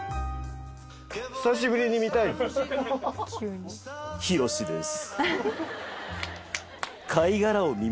久しぶりに見たいです。